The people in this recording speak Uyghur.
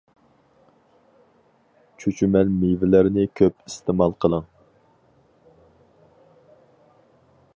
چۈچۈمەل مېۋىلەرنى كۆپ ئىستېمال قىلىڭ.